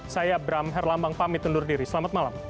saya bram herlambang pamit undur diri selamat malam